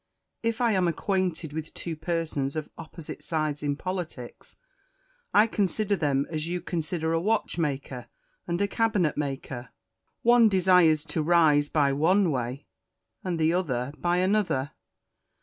If I am acquainted with two persons of opposite sides in politics, I consider them as you consider a watchmaker and a cabinet maker : one desires to rise by one way, the other by another.